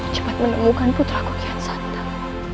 cepat menemukan putraku kian santan